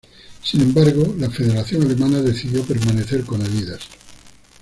Sin embargo la Federación Alemana decidió permanecer con Adidas.